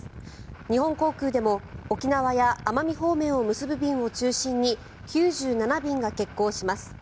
日本航空でも沖縄県や奄美方面を結ぶ便を中心に９７便が欠航します。